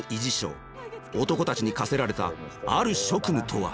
男たちに課せられたある職務とは？